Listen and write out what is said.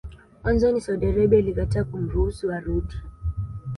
Mwanzoni Saudi Arabia ilikataa kumruhusu arudi